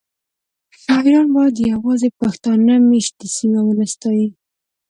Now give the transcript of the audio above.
شاعران باید یوازې پښتانه میشتې سیمې ونه ستایي